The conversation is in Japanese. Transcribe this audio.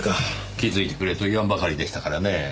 気づいてくれと言わんばかりでしたからねぇ。